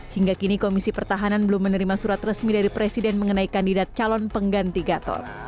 hingga kini komisi pertahanan belum menerima surat resmi dari presiden mengenai kandidat calon pengganti gatot